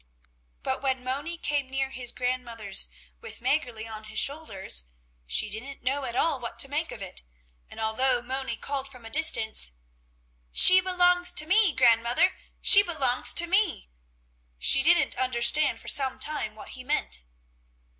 But when Moni came near his grandmother's with Mäggerli on his shoulders, she didn't know at all what to make of it, and although Moni called from a distance: "She belongs to me, Grandmother, she belongs to me!" she didn't understand for some time what he meant.